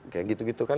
kayak gitu gitu kan